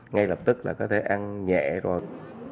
ngay lập tức là có thể ăn nhẹ rồi